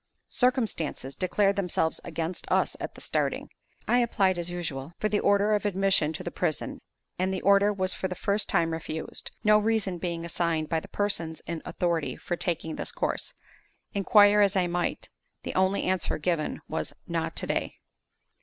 "Circumstances" declared themselves against us at starting. I applied, as usual, for the order of admission to the prison, and the order was for the first time refused; no reason being assigned by the persons in authority for taking this course. Inquire as I might, the only answer given was, "not to day."